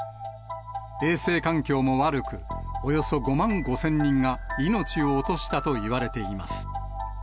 衛生環境も悪く、およそ５万５０００人が命を落としたといわれています。